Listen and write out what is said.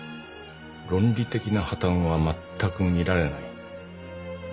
論理的な破たんは全く見られない。